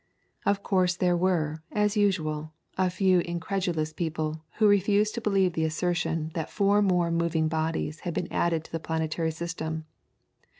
Of course there were, as usual, a few incredulous people who refused to believe the assertion that four more moving bodies had to be added to the planetary system.